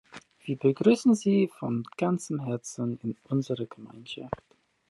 Wir begrüßen sie von ganzem Herzen in unserer Gemeinschaft.